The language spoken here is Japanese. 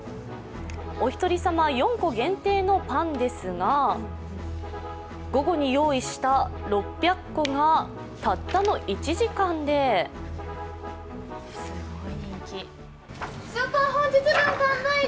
お一人様４個限定のパンですが午後に用意した６００個がたったの１時間で完売！